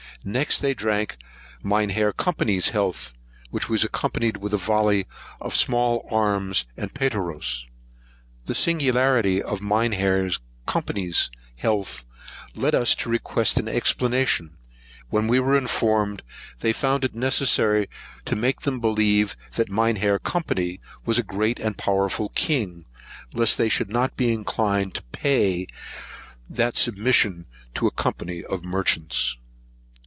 Next they drank Mynheer Company's health, which was accompanied with a volley of small arms and paterreros. The singularity of Mynheer Company's health, led us to request an explanation; when we were informed, they found it necessary to make them believe that Mynheer Company was a great and powerful king, lest they should not be inclined to pay that submission to a company of merchants.